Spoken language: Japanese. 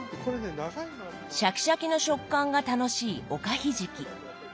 シャキシャキの食感が楽しいおかひじき。